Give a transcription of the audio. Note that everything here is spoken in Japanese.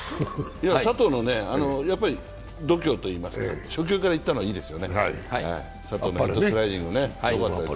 佐藤の度胸といいますか、初球からいったのはいいですよね。